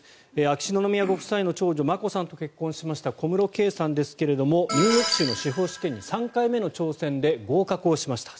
秋篠宮ご夫妻の長女・眞子さんと結婚しました小室圭さんですがニューヨーク州の司法試験に３回目の挑戦で合格をしました。